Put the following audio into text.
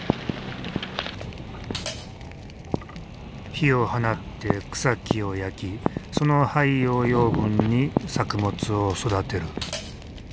火を放って草木を焼きその灰を養分に作物を育てる。